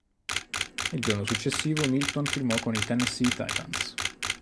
Il giorno successivo Milton firmò con i Tennessee Titans.